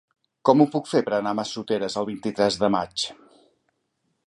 Com ho puc fer per anar a Massoteres el vint-i-tres de maig?